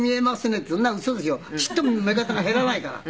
ちっとも目方が減らないから。